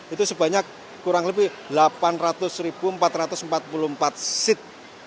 itu sebanyak kurang lebih delapan ratus empat ratus empat puluh empat seat